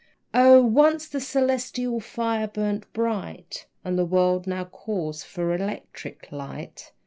O, once the "celestial fire" burned bright, But the world now calls for electric light!